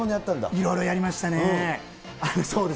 いろいろやりましたね。